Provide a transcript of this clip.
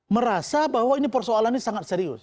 merasa bahwa ini persoalan ini sangat serius